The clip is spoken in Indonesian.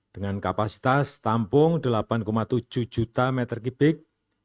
dengan kapasitas tampung delapan tujuh juta meter kubik